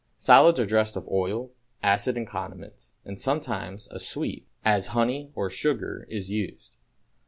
= Salads are dressed with oil, acid and condiments; and, sometimes, a sweet, as honey or sugar, is used.